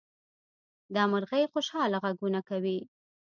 دا مرغۍ خوشحاله غږونه کوي.